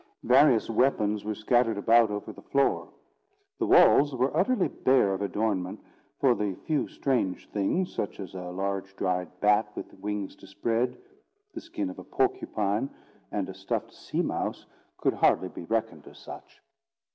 Various weapons were scattered about over the floor. The walls were utterly bare of adornment; for the few strange things, such as a large dried bat with wings dispread, the skin of a porcupine, and a stuffed sea mouse, could hardly be reckoned as such.